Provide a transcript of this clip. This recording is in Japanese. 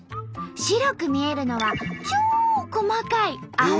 白く見えるのは超細かい泡！